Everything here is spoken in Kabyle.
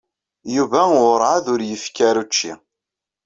Yuba werɛad ur yekfi ara učči.